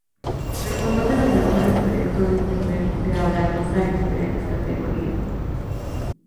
Reconoce los mejores proyectos de internet de habla rusa en diferentes categorías.